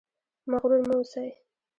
مغرور مه اوسئ